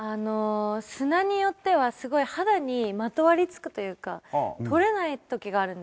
砂によってはすごい肌にまとわりつくというか取れない時があるんですよね。